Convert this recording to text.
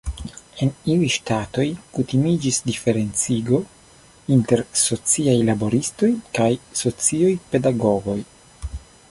En iuj ŝtatoj kutimiĝis diferencigo inter "sociaj laboristoj" kaj "sociaj pedagogoj".